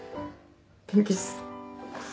元気っす。